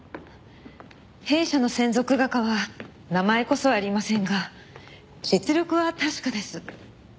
弊社の専属画家は名前こそありませんが実力は確かです。